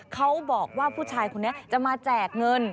เขาบอกว่าผู้ชายคนนี้จะมาแจกเงิน